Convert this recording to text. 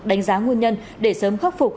đánh giá nguyên nhân để sớm khắc phục